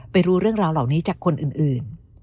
รู้เรื่องราวเหล่านี้จากคนอื่น